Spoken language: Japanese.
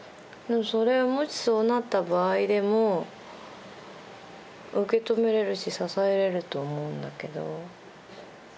もしそうなった場合でも受け止めれるし支えれると思うんだけど。